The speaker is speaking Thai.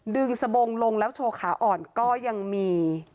สบงลงแล้วโชว์ขาอ่อนก็ยังมี